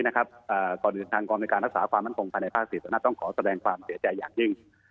มันคงผ่านในภาษฐิตต้องขอแสดงความเสียใจอย่างยิ่ง